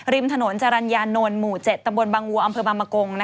ริมถนนจรรยานนท์หมู่๗ตำบลบางวัวอำเภอบางมะกง